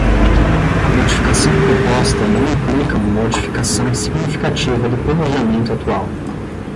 A modificação proposta não implica uma modificação significativa do planejamento atual.